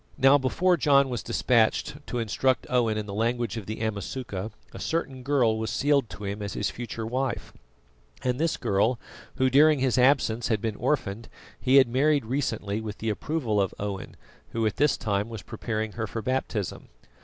Now, before John was despatched to instruct Owen in the language of the Amasuka a certain girl was sealed to him as his future wife, and this girl, who during his absence had been orphaned, he had married recently with the approval of Owen, who at this time was preparing her for baptism.